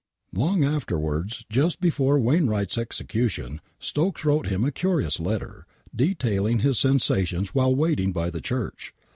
Long afterwards,, just before Wainwright's execution, Stokes wrote him a curious letter, detailing his sensations while waiting by the Church.